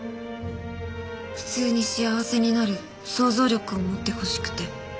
普通に幸せになる想像力を持ってほしくて。